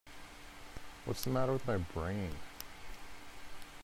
What's the matter with my brain?